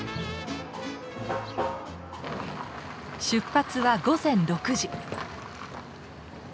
出発は午前６時。